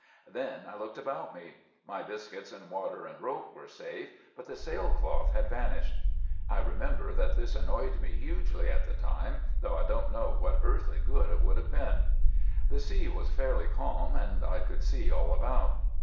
" Then I looked about me. My biscuits and water and rope were safe, but the sail cloth had vanished. I remember that this annoyed me hugely at the time, though I don't know what earthly good it would have been. The sea was fairly calm, and I could see all about.